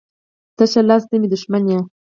تشه لاسو ته مې دښمن یې.